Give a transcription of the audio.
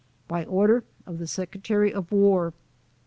By order of the Sec. of War.